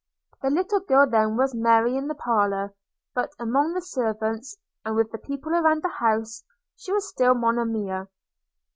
The little girl then was Mary in the parlour; but among the servants, and with the people around the house, she was still Monimia.